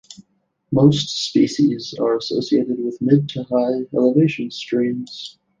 Most species are associated with mid-to-high elevation streams.